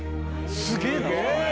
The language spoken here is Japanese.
すげえな！